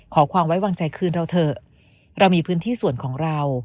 ขอความไว้วางใจคืนเราเถอะเรามีพื้นที่ส่วนของเรา